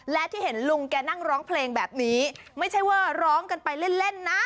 และที่เห็นลุงแกนั่งร้องเพลงแบบนี้ไม่ใช่ว่าร้องกันไปเล่นเล่นนะ